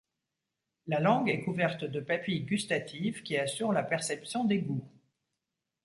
La langue est couverte de papilles gustatives, qui assurent la perception des goûts.